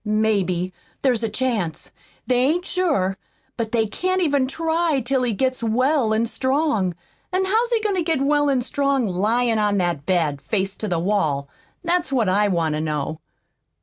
"Maybe. There's a chance. They ain't sure. But they can't even TRY till he gets well an' strong. An' how's he goin' to get well an' strong lyin' on that bed, face to the wall? That's what I want to know!"